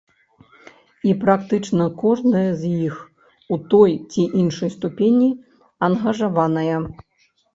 І практычна кожная з іх у той ці іншай ступені ангажаваная.